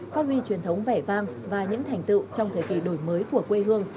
phát huy truyền thống vẻ vang và những thành tựu trong thời kỳ đổi mới của quê hương